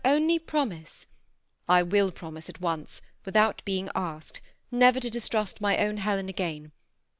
only promise "" I will promise at once, without being asked, never to distrust my own Helen again.